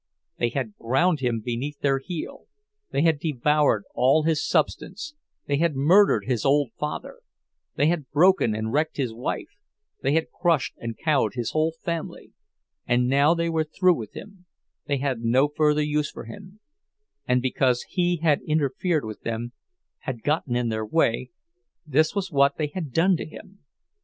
They had ground him beneath their heel, they had devoured all his substance; they had murdered his old father, they had broken and wrecked his wife, they had crushed and cowed his whole family; and now they were through with him, they had no further use for him—and because he had interfered with them, had gotten in their way, this was what they had done to him!